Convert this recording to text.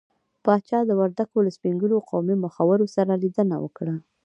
پاچا د وردګو له سپين ږيرو قومي مخورو سره ليدنه وکړه.